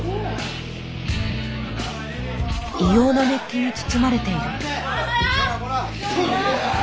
異様な熱気に包まれている。